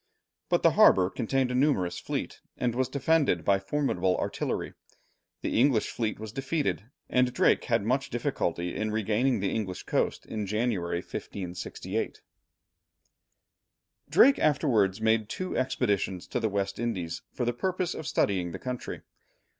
But the harbour contained a numerous fleet, and was defended by formidable artillery. The English fleet was defeated, and Drake had much difficulty in regaining the English coast in January, 1568. Drake afterwards made two expeditions to the West Indies for the purpose of studying the country.